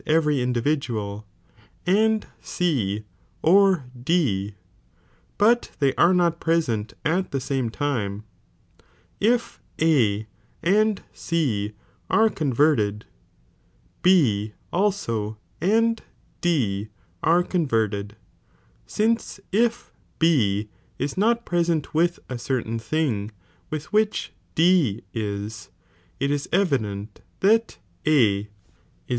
every individual and C or D, but they are not '■ present at the same time, if A and C are converted B dso and D are converted, since if B is not preaent with a certala thing with which D is, it is evident that A is present ' The minor of Celarent.